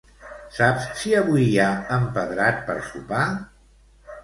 Saps si avui hi ha empedrat per sopar?